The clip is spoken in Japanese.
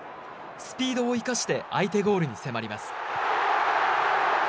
スピードを生かして相手ゴールに迫ります。